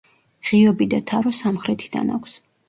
ღიობი და თარო სამხრეთიდან აქვს.